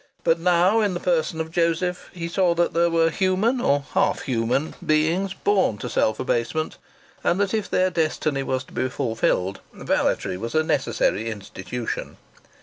But now, in the person of Joseph, he saw that there were human or half human beings born to self abasement, and that, if their destiny was to be fulfilled, valetry was a necessary institution.